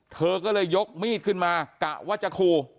เธอก็เลยยกมีดขึ้นมากะว่าจะคู่